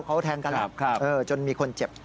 เขาแทงกันจนมีคนเจ็บ